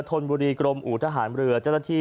ธนบุรีกรมอู่ทหารเรือเจ้าหน้าที่